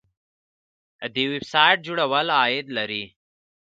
د ویب سایټ جوړول عاید لري